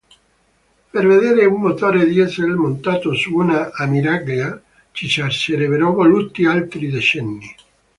Per vedere un motore diesel montato su una ammiraglia ci sarebbero voluti altri decenni.